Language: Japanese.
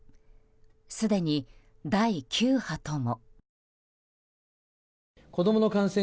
すでに第９波とも。